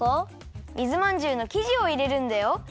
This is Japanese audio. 水まんじゅうのきじをいれるんだよ。